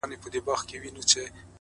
د تل لپاره،